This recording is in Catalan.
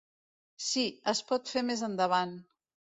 Sí, es pot fer més endavant.